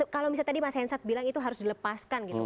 kalau misalnya tadi mas hensat bilang itu harus dilepaskan gitu